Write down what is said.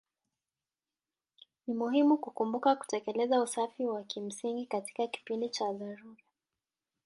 Ni muhimu kukumbuka kutekeleza usafi wa kimsingi katika kipindi cha dharura.